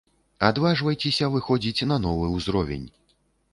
Адважвайцеся выходзіць на новы ўзровень!